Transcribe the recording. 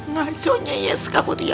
naconya ya seka putri